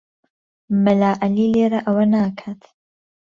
مەلا عەلی لێرە ئەوە ناکات.